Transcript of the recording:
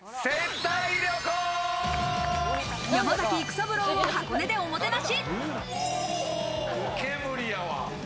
山崎育三郎を箱根でおもてなし。